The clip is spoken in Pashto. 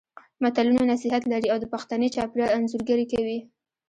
متلونه نصيحت لري او د پښتني چاپېریال انځورګري کوي